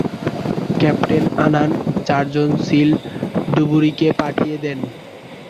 Captain Annan চারজন SEAL ডুবুরিকে পাঠিয়ে দেন।